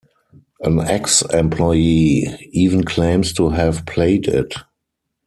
An ex-employee even claims to have played it.